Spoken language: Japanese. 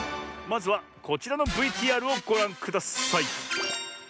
まずはこちらのＶＴＲをごらんください。